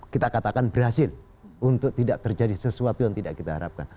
kita katakan berhasil untuk tidak terjadi sesuatu yang tidak kita harapkan